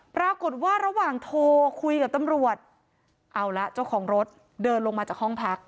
ปรากฏว่าระหว่างโทรคุยกับตำรวจเอาละเจ้าของรถเดินลงมาจากห้องพัก